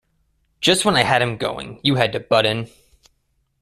Just when I had him going, you had to butt in!